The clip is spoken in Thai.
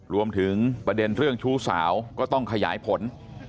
รวมถึงประเด็นเรื่องชู้สาวก็ต้องขยายผล